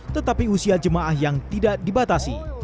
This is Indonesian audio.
tetapi usia jemaah yang tidak dibatasi